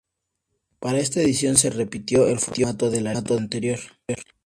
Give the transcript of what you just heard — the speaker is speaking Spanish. Para esta edición se repitió el formato de la liga anterior.